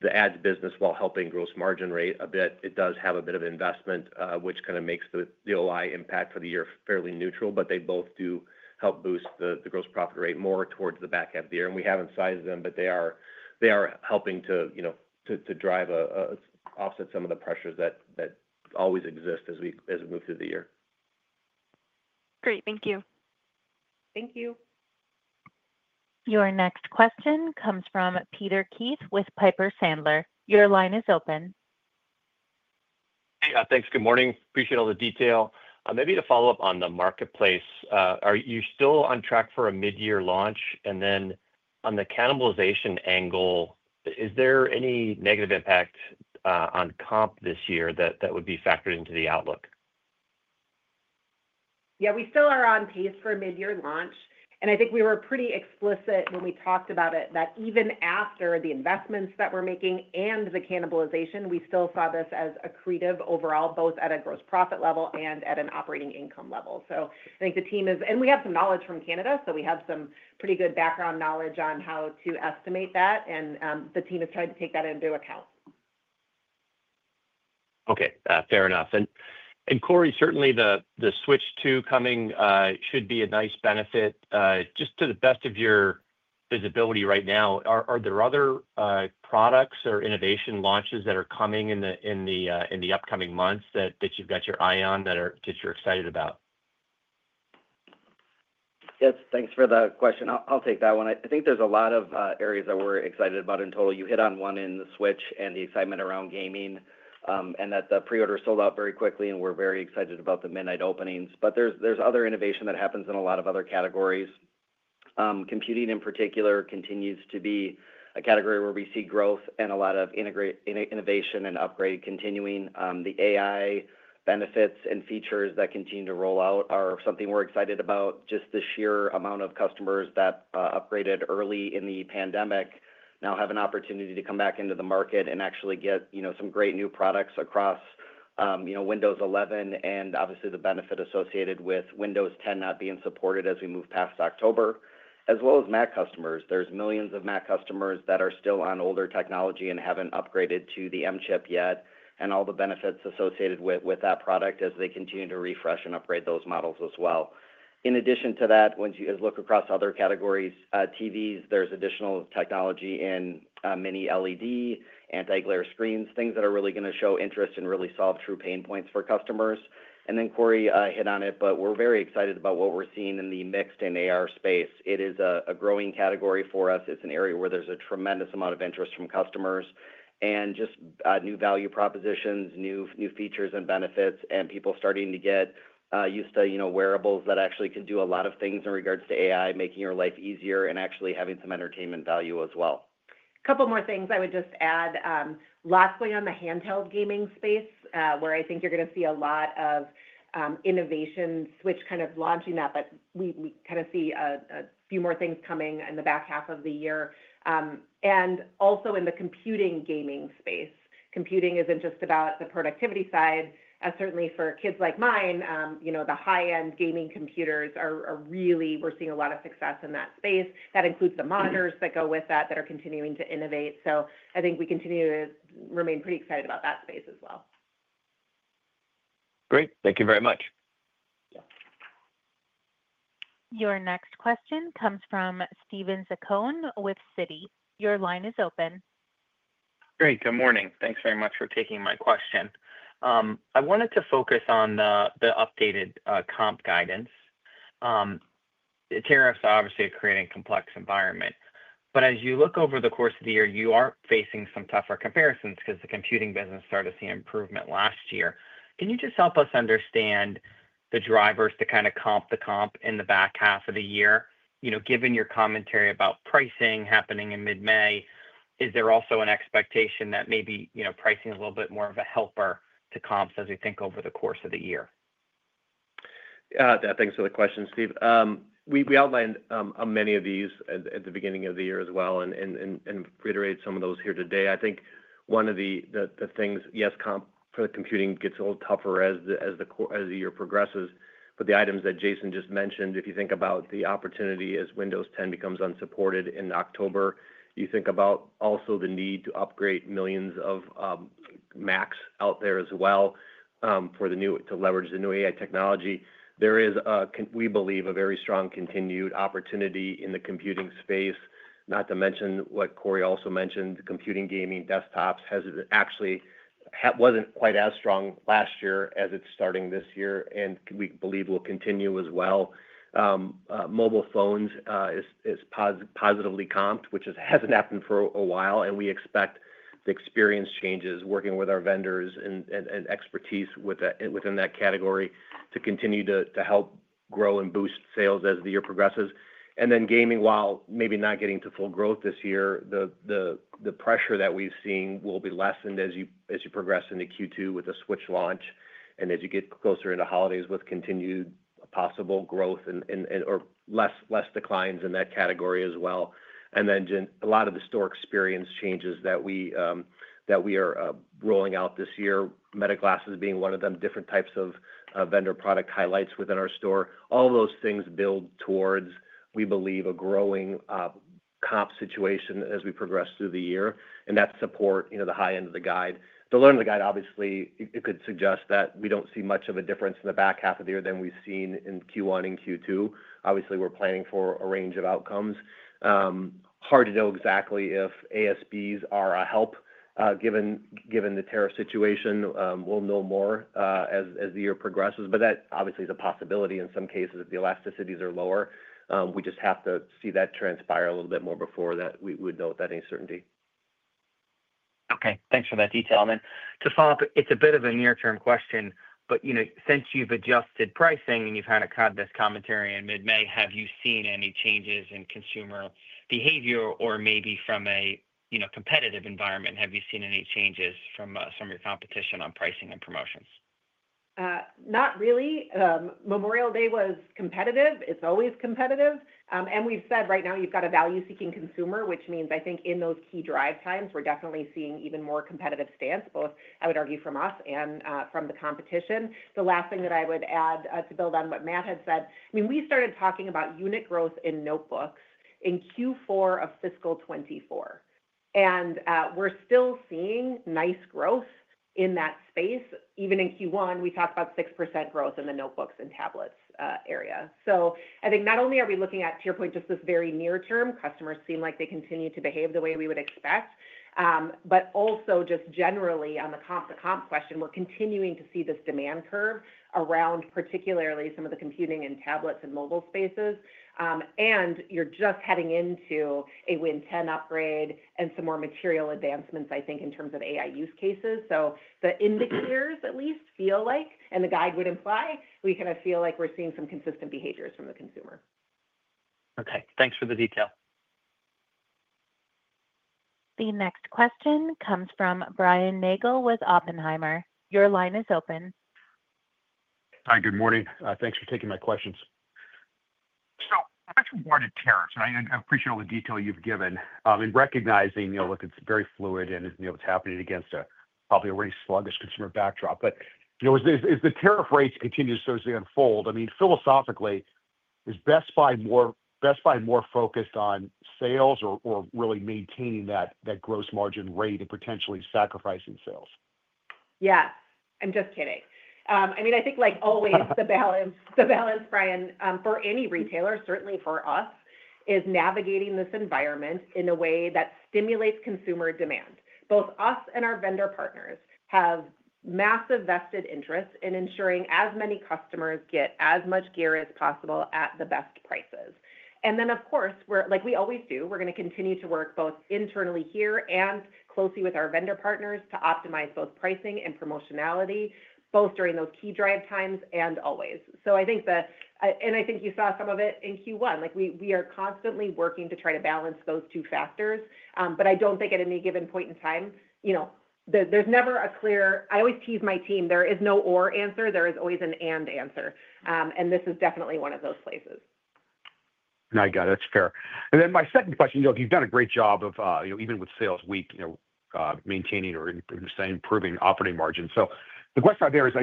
D: The ads business, while helping gross margin rate a bit, does have a bit of investment, which kind of makes the OI impact for the year fairly neutral, but they both do help boost the gross profit rate more towards the back half of the year. We have not sized them, but they are helping to drive offset some of the pressures that always exist as we move through the year.
H: Great. Thank you.
C: Thank you.
A: Your next question comes from Peter Keith with Piper Sandler, your line is open.
J: Hey, thanks. Good morning. Appreciate all the detail. Maybe to follow up on the marketplace, are you still on track for a mid-year launch? And then on the cannibalization angle, is there any negative impact on comp this year that would be factored into the outlook?
C: Yeah, we still are on pace for a mid-year launch. I think we were pretty explicit when we talked about it that even after the investments that we're making and the cannibalization, we still saw this as accretive overall, both at a gross profit level and at an operating income level. I think the team is, and we have some knowledge from Canada, so we have some pretty good background knowledge on how to estimate that, and the team has tried to take that into account.
J: Okay. Fair enough. And Corie, certainly the Switch 2 coming should be a nice benefit. Just to the best of your visibility right now, are there other products or innovation launches that are coming in the upcoming months that you've got your eye on that you're excited about?
D: Yes. Thanks for the question. I'll take that one. I think there's a lot of areas that we're excited about in total. You hit on one in the Switch and the excitement around gaming and that the preorder sold out very quickly, and we're very excited about the midnight openings. There is other innovation that happens in a lot of other categories. Computing in particular continues to be a category where we see growth, and a lot of innovation and upgrade continuing. The AI benefits and features that continue to roll out are something we're excited about. Just the sheer amount of customers that upgraded early in the pandemic now have an opportunity to come back into the market and actually get some great new products across Windows 11 and obviously the benefit associated with Windows 10 not being supported as we move past October, as well as Mac customers. There are millions of Mac customers that are still on older technology and have not upgraded to the M chip yet, and all the benefits associated with that product as they continue to refresh and upgrade those models as well. In addition to that, when you look across other categories, TVs, there is additional technology in mini LED, anti-glare screens, things that are really going to show interest and really solve true pain points for customers. Corie hit on it, but we are very excited about what we are seeing in the mixed and AR space. It is a growing category for us. It's an area where there's a tremendous amount of interest from customers and just new value propositions, new features and benefits, and people starting to get used to wearables that actually can do a lot of things in regards to AI, making your life easier and actually having some entertainment value as well.
C: A couple more things I would just add. Lastly, on the handheld gaming space, where I think you're going to see a lot of innovation, Switch kind of launching that, but we kind of see a few more things coming in the back half of the year. Also in the computing gaming space, computing isn't just about the productivity side. Certainly for kids like mine, the high-end gaming computers are really—we're seeing a lot of success in that space. That includes the monitors that go with that that are continuing to innovate. I think we continue to remain pretty excited about that space as well.
J: Great. Thank you very much.
A: Your next question comes from Steven Zaccone with Citi. Your line is open.
K: Great. Good morning. Thanks very much for taking my question. I wanted to focus on the updated comp guidance. Tariffs are obviously creating a complex environment. As you look over the course of the year, you are facing some tougher comparisons because the computing business started to see improvement last year. Can you just help us understand the drivers to kind of comp the comp in the back half of the year? Given your commentary about pricing happening in mid-May, is there also an expectation that maybe pricing is a little bit more of a helper to comps as we think over the course of the year?
D: Yeah, thanks for the question, Steve. We outlined many of these at the beginning of the year as well and reiterated some of those here today. I think one of the things, yes, comp for the computing gets a little tougher as the year progresses. The items that Jason just mentioned, if you think about the opportunity as Windows 10 becomes unsupported in October, you think about also the need to upgrade millions of Macs out there as well to leverage the new AI technology. There is, we believe, a very strong continued opportunity in the computing space, not to mention what Corie also mentioned, computing gaming desktops has actually was not quite as strong last year as it is starting this year and we believe will continue as well. Mobile phones is positively comped, which has not happened for a while, and we expect the experience changes, working with our vendors and expertise within that category to continue to help grow and boost sales as the year progresses. Gaming, while maybe not getting to full growth this year, the pressure that we have seen will be lessened as you progress into Q2 with the Switch launch and as you get closer into holidays with continued possible growth or less declines in that category as well. A lot of the store experience changes that we are rolling out this year, Meta Glasses being one of them, different types of vendor product highlights within our store. All those things build towards, we believe, a growing comp situation as we progress through the year, and that supports the high end of the guide. The lower end of the guide, obviously, it could suggest that we do not see much of a difference in the back half of the year than we have seen in Q1 and Q2. Obviously, we are planning for a range of outcomes. Hard to know exactly if ASPs are a help given the tariff situation. We will know more as the year progresses, but that obviously is a possibility in some cases if the elasticities are lower. We just have to see that transpire a little bit more before we would note that uncertainty.
K: Okay. Thanks for that detail. To follow up, it's a bit of a near-term question, but since you've adjusted pricing and you've had this commentary in mid-May, have you seen any changes in consumer behavior or maybe from a competitive environment? Have you seen any changes from your competition on pricing and promotions?
C: Not really. Memorial Day was competitive. It's always competitive. We've said right now you've got a value-seeking consumer, which means I think in those key drive times, we're definitely seeing even more competitive stance, both I would argue from us and from the competition. The last thing that I would add to build on what Matt had said, I mean, we started talking about unit growth in notebooks in Q4 of fiscal 2024. We're still seeing nice growth in that space. Even in Q1, we talked about 6% growth in the notebooks and tablets area. I think not only are we looking at, to your point, just this very near-term, customers seem like they continue to behave the way we would expect, but also just generally on the comp to comp question, we're continuing to see this demand curve around particularly some of the computing and tablets and mobile spaces. You're just heading into a Win 10 upgrade and some more material advancements, I think, in terms of AI use cases. The indicators at least feel like, and the guide would imply, we kind of feel like we're seeing some consistent behaviors from the consumer.
K: Okay. Thanks for the detail.
A: The next question comes from Brian Nagel with Oppenheimer. Your line is open.
L: Hi, good morning. Thanks for taking my questions. I actually wanted tariffs, and I appreciate all the detail you've given. Recognizing it's very fluid and it's happening against a probably already sluggish consumer backdrop, as the tariff rates continue to unfold, I mean, philosophically, is Best Buy more focused on sales or really maintaining that gross margin rate and potentially sacrificing sales?
C: Yes. I'm just kidding. I mean, I think like always, the balance, Brian, for any retailer, certainly for us, is navigating this environment in a way that stimulates consumer demand. Both us and our vendor partners have massive vested interests in ensuring as many customers get as much gear as possible at the best prices. Of course, like we always do, we're going to continue to work both internally here and closely with our vendor partners to optimize both pricing and promotionality, both during those key drive times and always. I think the—and I think you saw some of it in Q1. We are constantly working to try to balance those two factors, but I do not think at any given point in time, there is ever a clear—I always tease my team. There is no or answer. There is always an and answer. This is definitely one of those places.
L: I got it. That is fair. My 2nd question, you have done a great job of even with sales weak, maintaining or improving operating margin. The question I have there is,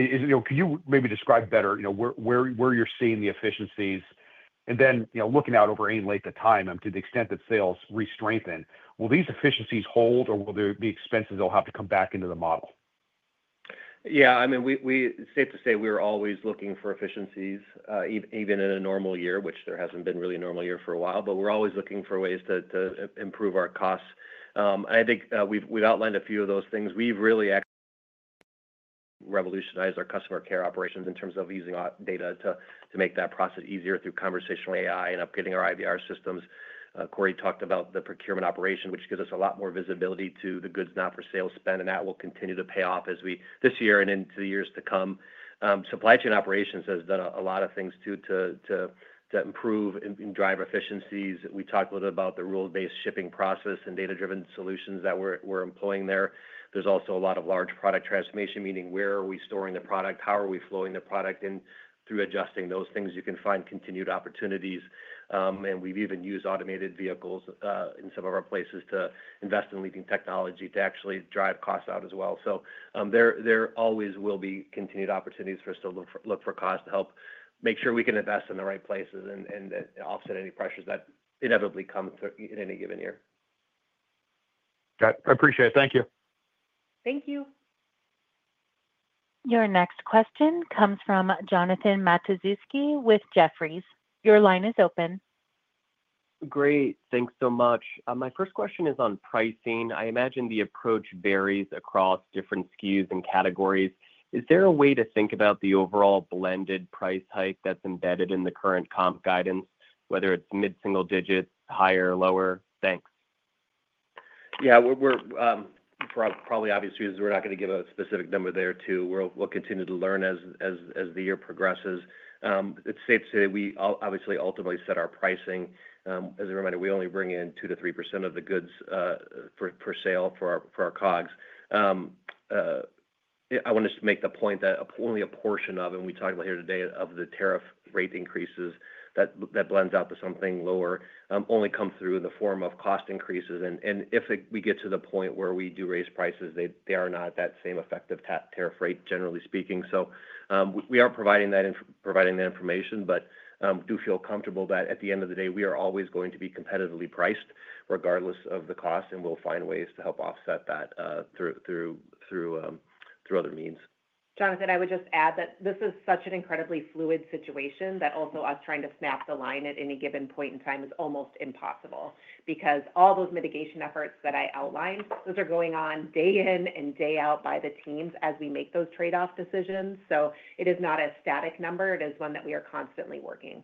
L: could you maybe describe better where you are seeing the efficiencies? Looking out over any length of time, to the extent that sales re-strengthen, will these efficiencies hold or will there be expenses that will have to come back into the model?
D: Yeah. I mean, it's safe to say we're always looking for efficiencies, even in a normal year, which there hasn't been really a normal year for a while, but we're always looking for ways to improve our costs. I think we've outlined a few of those things. We've really revolutionized our customer care operations in terms of using data to make that process easier through conversational AI and upgrading our IVR systems. Corie talked about the procurement operation, which gives us a lot more visibility to the goods not for sale spend, and that will continue to pay off this year, and into the years to come. Supply chain operations has done a lot of things to improve and drive efficiencies. We talked a little bit about the rule-based shipping process and data-driven solutions that we're employing there. is also a lot of large product transformation, meaning where are we storing the product? How are we flowing the product in? Through adjusting those things, you can find continued opportunities. We have even used automated vehicles in some of our places to invest in leading technology to actually drive costs out as well. There always will be continued opportunities for us to look for costs to help make sure we can invest in the right places and offset any pressures that inevitably come in any given year.
L: I appreciate it. Thank you.
C: Thank you.
A: Your next question comes from Jonathan Matuszewski with Jefferies. Your line is open.
M: Great. Thanks so much. My 1st question is on pricing. I imagine the approach varies across different SKUs and categories. Is there a way to think about the overall blended price hike that's embedded in the current comp guidance, whether it's mid-single digits, higher, lower? Thanks.
D: Yeah. Probably obvious reasons, we're not going to give a specific number there too. We'll continue to learn as the year progresses. It's safe to say we obviously ultimately set our pricing. As a reminder, we only bring in 2%-3% of the goods for sale for our COGS. I want to just make the point that only a portion of, and we talked about here today, of the tariff rate increases that blends out to something lower only comes through in the form of cost increases. And if we get to the point where we do raise prices, they are not that same effective tariff rate, generally speaking. We are providing that information, but do feel comfortable that at the end of the day, we are always going to be competitively priced regardless of the cost, and we'll find ways to help offset that through other means.
C: Jonathan, I would just add that this is such an incredibly fluid situation that also us trying to snap the line at any given point in time is almost impossible because all those mitigation efforts that I outlined, those are going on day in and day out by the teams as we make those trade-off decisions. It is not a static number. It is one that we are constantly working.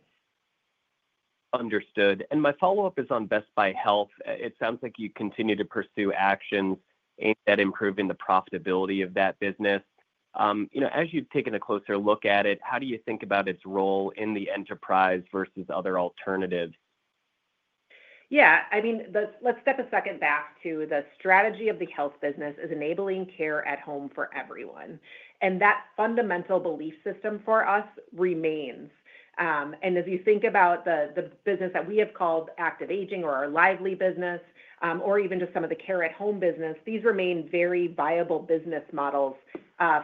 M: Understood. My follow-up is on Best Buy Health. It sounds like you continue to pursue actions aimed at improving the profitability of that business. As you've taken a closer look at it, how do you think about its role in the enterprise versus other alternatives?
C: Yeah. I mean, let's step a second back to the strategy of the health business as enabling care at home for everyone. That fundamental belief system for us remains. As you think about the business that we have called active aging or our Lively business, or even just some of the care at home business, these remain very viable business models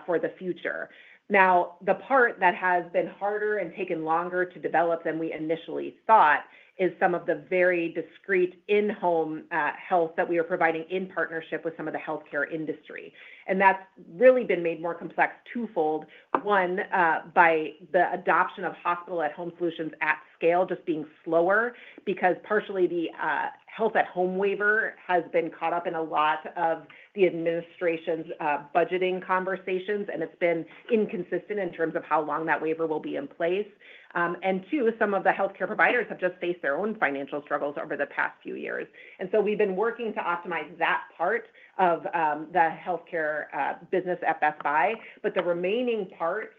C: for the future. Now, the part that has been harder and taken longer to develop than we initially thought is some of the very discrete in-home health that we are providing in partnership with some of the healthcare industry. That has really been made more complex twofold. One, by the adoption of hospital at home solutions at scale just being slower because partially the health at home waiver has been caught up in a lot of the administration's budgeting conversations, and it's been inconsistent in terms of how long that waiver will be in place. Two, some of the healthcare providers have just faced their own financial struggles over the past few years. We have been working to optimize that part of the healthcare business at Best Buy, but the remaining parts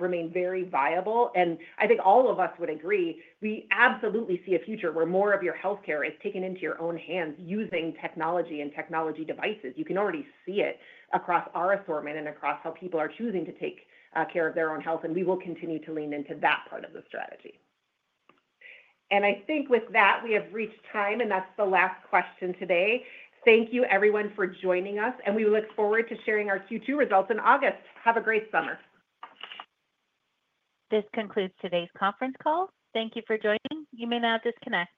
C: remain very viable. I think all of us would agree, we absolutely see a future where more of your healthcare is taken into your own hands using technology and technology devices. You can already see it across our assortment and across how people are choosing to take care of their own health, and we will continue to lean into that part of the strategy. I think with that, we have reached time, and that's the last question today. Thank you, everyone, for joining us, and we will look forward to sharing our Q2 results in August. Have a great summer.
A: This concludes today's conference call. Thank you for joining. You may now disconnect.